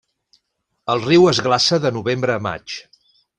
El riu es glaça de novembre a maig.